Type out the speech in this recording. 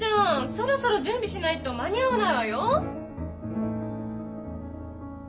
そろそろ準備しないと間に合わないわよ。